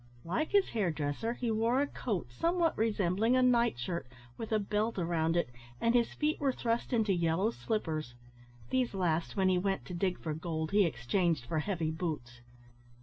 Like his hairdresser, he wore a coat somewhat resembling a night shirt, with a belt round it, and his feet were thrust into yellow slippers. These last, when he went to dig for gold, he exchanged for heavy boots.